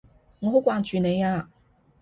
我好掛住你啊！